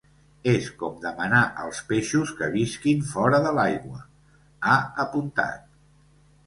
És com demanar als peixos que visquin fora de l’aigua, ha apuntat.